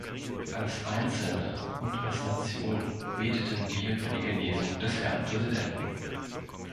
Als Einzelne und als Nation beteten wir für die Genesung des Herrn Präsidenten.